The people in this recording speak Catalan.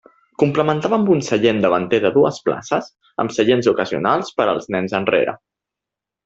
Complementava amb un seient davanter de dues places, amb seients ocasionals per als nens enrere.